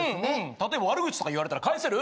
例えば悪口とか言われたら返せる？